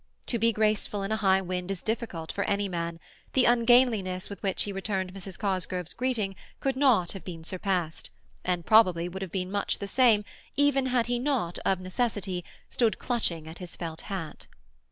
To be graceful in a high wind is difficult for any man; the ungainliness with which he returned Mrs. Cosgrove's greeting could not have been surpassed, and probably would have been much the same even had he not, of necessity, stood clutching at his felt hat.